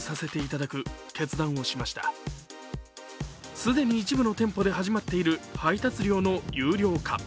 既に一部の店舗で始まっている配達料の有料化。